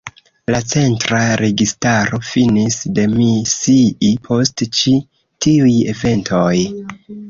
La centra registaro finis demisii post ĉi tiuj eventoj.